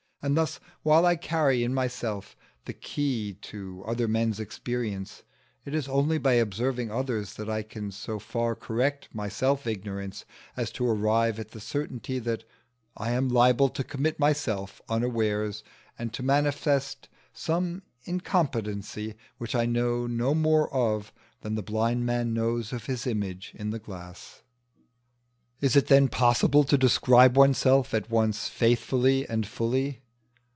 And thus while I carry in myself the key to other men's experience, it is only by observing others that I can so far correct my self ignorance as to arrive at the certainty that I am liable to commit myself unawares and to manifest some incompetency which I know no more of than the blind man knows of his image in the glass. Is it then possible to describe oneself at once faithfully and fully?